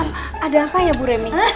maaf ada apa ya bu remi